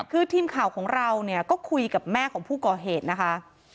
คือทีมข่าวของเราเนี่ยก็คุยกับแม่ของผู้ก่อเหตุนะคะ